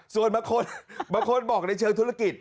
ส่วนมะคลมะคลบอกในเชิงธุรกิจ